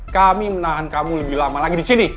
kami menahan kamu lebih lama lagi disini